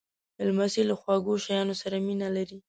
لمسی له خواږه شیانو سره مینه لري.